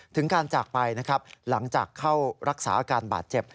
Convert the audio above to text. ถึงการจากไปนะครับหลังจากเข้ารักษาอาการบาดเจ็บ